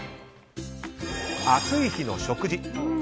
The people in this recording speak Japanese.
暑い日の食事。